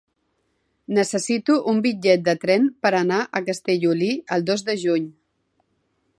Necessito un bitllet de tren per anar a Castellolí el dos de juny.